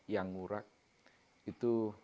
yang ngurak itu